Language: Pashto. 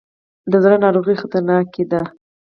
د زړه ناروغۍ خطرناکې دي.